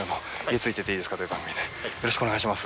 よろしくお願いします。